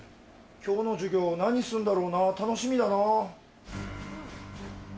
今日の授業何すんだろうな楽しみだな。